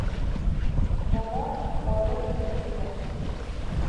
Бала — бауыр ите, тиҙәр.